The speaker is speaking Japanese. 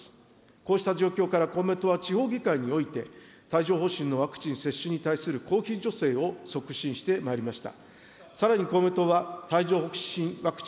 こうした状況から、公明党は地方議会において、帯状ほう疹のワクチンに対する公費助成を促進してまいりました。